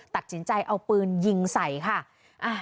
ตัดสินใจเอาปืนยิงใส่ค่ะ